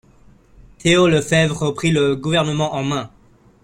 Théo Lefèvre reprit le gouvernement en main.